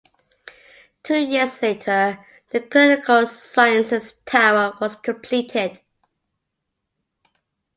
Two years later, the Clinical Sciences Tower was completed.